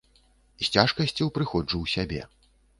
З цяжкасцю прыходжу ў сябе.